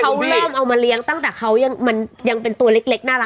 เขาเริ่มเอามาเลี้ยงตั้งแต่เขายังมันยังเป็นตัวเล็กน่ารัก